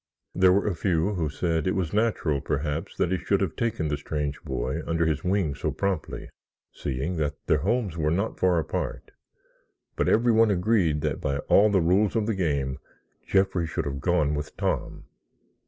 There were a few who said it was natural, perhaps, that he should have taken the strange boy under his wing so promptly, seeing that their homes were not far apart. But everyone agreed that by all the rules of the game Jeffrey should have gone with Tom.